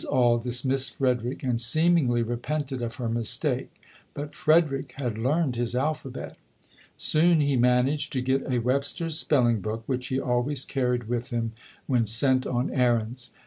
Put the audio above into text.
Auld dismissed Frederick and seemingly repented of her mistake ; but Fred erick had learned his alphabet. Soon he managed to get a Webster's spelling book, which he always carried with him when sent on errands.